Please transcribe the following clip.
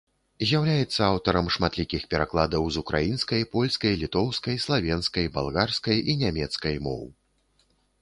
З'яўляецца аўтарам шматлікіх перакладаў з украінскай, польскай, літоўскай, славенскай, балгарскай і нямецкай моў.